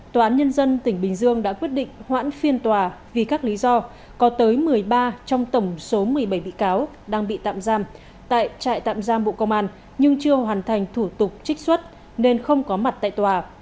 tòa án nhân dân tỉnh bình dương đã quyết định hoãn phiên tòa vì các lý do có tới một mươi ba trong tổng số một mươi bảy bị cáo đang bị tạm giam tại trại tạm giam bộ công an nhưng chưa hoàn thành thủ tục trích xuất nên không có mặt tại tòa